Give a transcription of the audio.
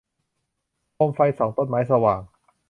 โคมไฟส่องต้นไม้สว่าง